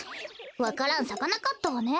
わか蘭さかなかったわね。